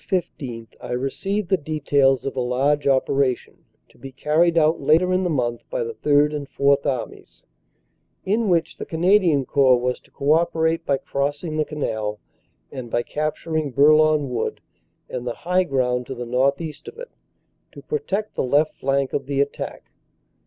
15 I received the details of a large operation to be carried out later in the month by the Third and Fourth Armies, in which the Canadian Corps was to co operate by crossing the Canal, and by capturing Bourlon Wood and the high ground to the northeast of it, to protect the left flank of the attack.